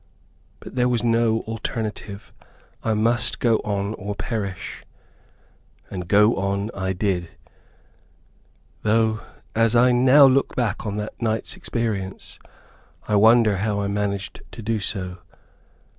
But there was no alternative. I must go on or perish. And go on I did, though, as I now look back upon that night's experience, I wonder how I managed to do so.